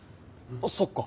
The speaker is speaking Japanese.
そっか。